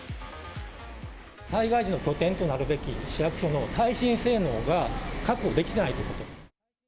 災害時の拠点となるべき、市役所の耐震性能が確保できていないということ。